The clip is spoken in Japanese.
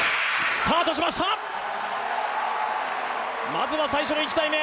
まずは最初の１台目。